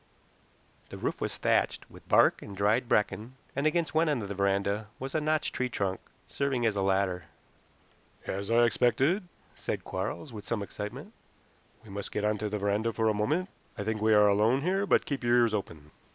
The roof was thatched with bark and dried bracken, and against one end of the veranda was a notched tree trunk, serving as a ladder. "As I expected," said Quarles, with some excitement. "We must get onto the veranda for a moment. I think we are alone here, but keep your ears open."